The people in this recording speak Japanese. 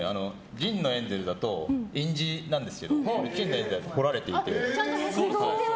銀のエンゼルだと印字なんですけど金のエンゼルだと彫られていて。